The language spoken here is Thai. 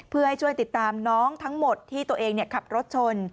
เพื่อให้ช่วยติดตามน้องทั้งหมดที่ตัวเองขับรถชน